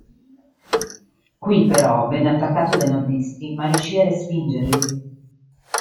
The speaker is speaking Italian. Qui però venne attaccato dai nordisti ma riuscì a respingerli.